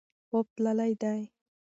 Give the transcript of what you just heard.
خوب تللی دی.